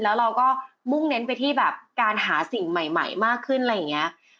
แล้วเราก็มุ่งเน้นไปที่แบบการหาสิ่งใหม่มากขึ้นอะไรอย่างนี้